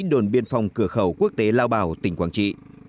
đồn biên phòng cửa khẩu quốc tế lao bảo tỉnh quảng trị